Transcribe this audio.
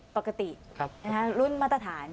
ปกติรุ่นมาตรฐาน